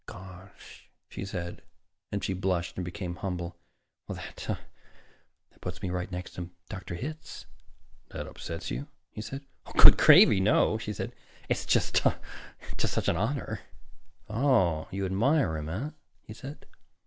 "Gosh " she said, and she blushed and became humble "that that puts me right next to Dr. Hitz." "That upsets you?" he said. "Good gravy, no!" she said. "It's it's just such an honor." "Ah, You... you admire him, eh?" he said.